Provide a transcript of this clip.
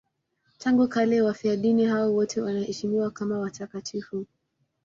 Tangu kale wafiadini hao wote wanaheshimiwa kama watakatifu.